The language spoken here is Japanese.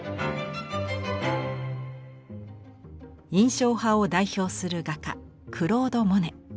印象派を代表する画家クロード・モネ。